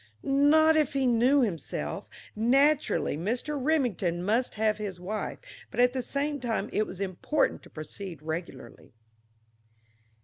Not if he knew himself. Naturally Mr. Remington must have his wife, but at the same time it was important to proceed regularly.